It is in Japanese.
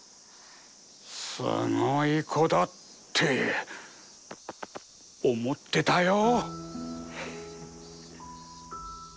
すごい子だって思ってたよ。